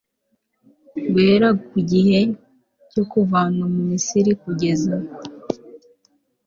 GUHERA KU GIHE CYO KUVANWA MU MISIRI KUGEZA